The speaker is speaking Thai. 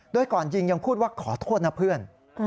โดยก่อนยิงยังพูดว่าขอโทษนะเพื่อน